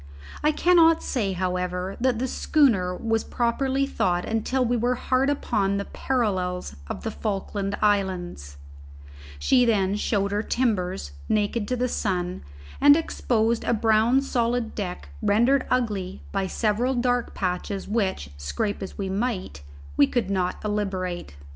I cannot say, however, that the schooner was properly thawed until we were hard upon the parallels of the Falkland Islands; she then showed her timbers naked to the sun, and exposed a brown solid deck rendered ugly by several dark patches which, scrape as we might, we could not obliterate.